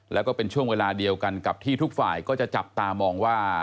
แล้วก็เป็นช่วงเวลาเดียวกันกับที่ทุกฝ่ายก็จะจับตามองว่า